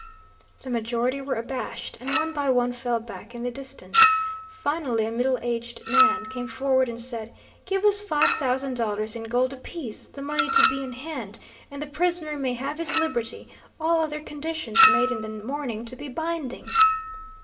The majority were abashed, and one by one fell back in the distance. Finally a middle aged man came forward and said, "Give us five thousand dollars in gold apiece, the money to be in hand, and the prisoner may have his liberty, all other conditions made in the morning to be binding."